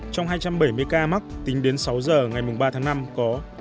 trong hai trăm bảy mươi ca mắc tính đến sáu giờ ngày ba tháng năm có